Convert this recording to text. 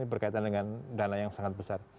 ini berkaitan dengan dana yang sangat besar